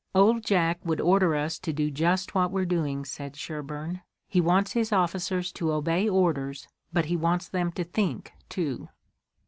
"Old Jack would order us to do just what we're doing," said Sherburne. "He wants his officers to obey orders, but he wants them to think, too."